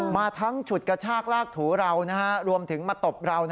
มาทั้งฉุดกระชากลากถูเรารวมถึงมาตบเรา